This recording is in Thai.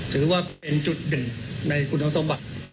ถือว่าเป็นจุดเด่นในคุณสมบัติ